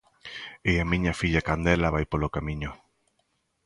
E a miña filla Candela vai polo camiño.